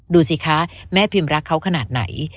ดูสิคะแม่พิมรักเขาขนาดไหน